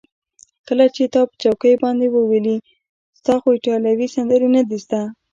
کله چې تا په چوکیو باندې وولي، ستا خو ایټالوي سندرې نه دي زده.